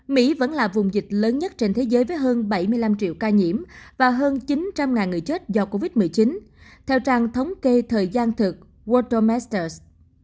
mỹ vẫn là vùng dịch lớn nhất trên thế giới với hơn bảy mươi năm triệu ca nhiễm và hơn chín trăm linh người chết do covid một mươi chín theo trang thống kê thời gian thực waltomesta